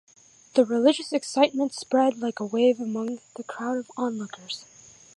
The religious excitement spread like a wave among the crowd of onlookers.